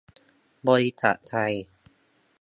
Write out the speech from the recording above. บริษัทใคร ?